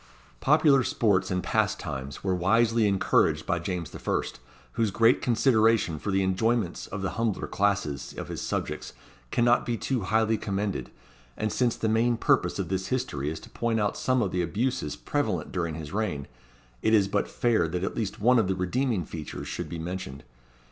Popular sports and pastimes were wisely encouraged by James the First, whose great consideration for the enjoyments of the humbler classes of his subjects cannot be too highly commended; and since the main purpose of this history is to point out some of the abuses prevalent during his reign, it is but fair that at least one of the redeeming features should be mentioned.